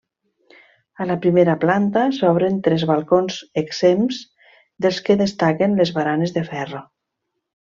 A la primera planta s'obren tres balcons exempts, dels que destaquen les baranes de ferro.